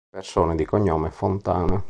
Persone di cognome Fontana